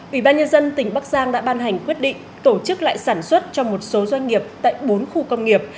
ủy ban nhân dân tỉnh bắc giang đã ban hành quyết định tổ chức lại sản xuất cho một số doanh nghiệp tại bốn khu công nghiệp